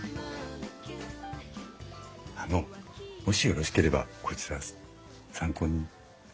あのもしよろしければこちら参考に。